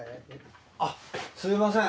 あっすみません。